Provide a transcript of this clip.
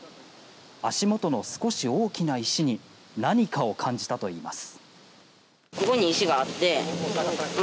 足元の少し大きな石に何かを感じたと言います。